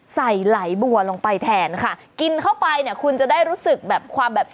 ไหลบัวลงไปแทนค่ะกินเข้าไปเนี่ยคุณจะได้รู้สึกแบบความแบบ